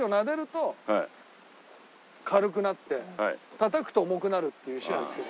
たたくと重くなるっていう石なんですけどね。